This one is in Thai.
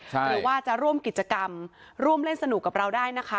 หรือว่าจะร่วมกิจกรรมร่วมเล่นสนุกกับเราได้นะคะ